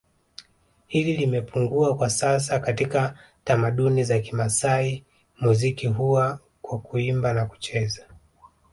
hili limepungua kwa sasa katika tamaduni za Kimasai muziki huwa kwa Kuimba na kucheza